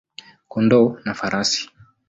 kondoo na farasi.